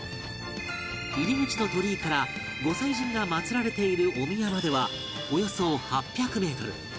入り口の鳥居から御祭神が祀られているお宮まではおよそ８００メートル